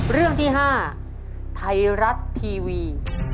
เรื่องที่๕ไทยรัฐทีวี